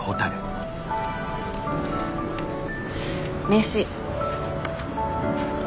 名刺。